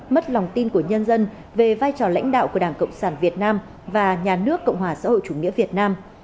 mất lòng tin của nhân dân về vai trò lãnh đạo của đảng cộng sản việt nam và nhà nước cộng hòa xã hội chủ nghĩa việt nam